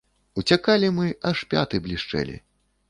Уцякалі мы, аж пяты блішчэлі.